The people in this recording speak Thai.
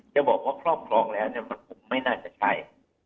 จะบอกว่าครอบครองแล้วมันคงไม่น่าจะใช่